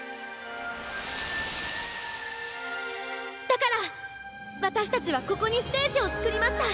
だから私たちはここにステージを作りました。